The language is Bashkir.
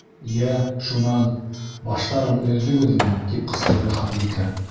—Йә, шунан, баштарын өҙҙөгөҙмө? —тип ҡысҡырҙы Ханбикә.